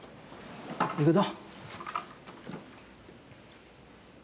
行くぞ。